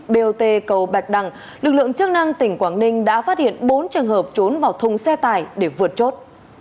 bot cầu bạch đằng lực lượng chức năng tỉnh quảng ninh đã phát hiện bốn trường hợp trốn vào thùng xe tải để vượt chốt